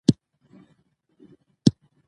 د تکنالوژۍ څخه په سمه توګه ګټه واخلئ.